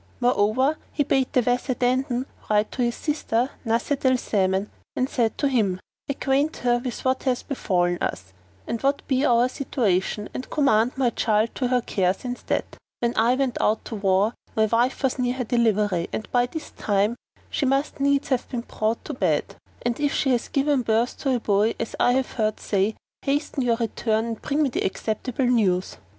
Moreover, he bade the Wazir Dandan write to his sister, Nuzhat al Zaman, and said to him, "Acquaint her with what hath befallen us, and what be our situation and commend my child to her care since that, when I went out to war, my wife was near her delivery and by this time she must needs have been brought to bed; and if she hath given birth to a boy, as I have heard say, hasten your return and bring me the acceptable news."